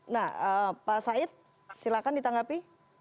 nah pak said silahkan ditanggapi